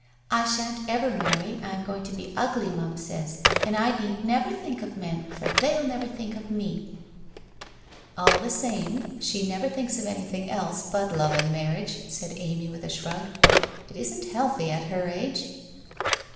I shan't ever marry, I am going to be ugly, Mum says, and I need never think of men, for they'll never think of me !'' All the same, she never thinks of anything else but love and marriage/ said Amy with a shrug. ' It isn't healthy, at her age